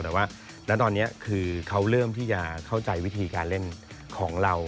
แต่ว่าณตอนนี้คือเขาเริ่มที่จะเข้าใจวิธีการเล่นของเรา